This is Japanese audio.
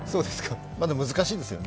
まだ難しいですよね。